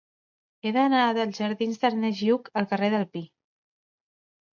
He d'anar dels jardins d'Ernest Lluch al carrer del Pi.